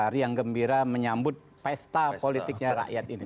riang gembira menyambut pesta politiknya rakyat ini